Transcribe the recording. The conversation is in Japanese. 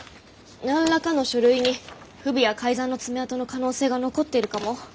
何らかの書類に不備や改ざんの爪痕の可能性が残ってるかも。